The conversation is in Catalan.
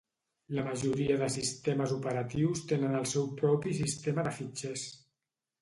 La majoria de sistemes operatius tenen el seu propi sistema de fitxers.